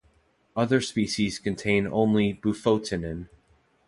Other species contain only bufotenin.